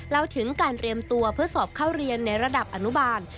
เล่าถึงการเตรียมตัวเพื่อสอบเข้าเรียนในระดับอนุบาล